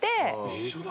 一緒だ。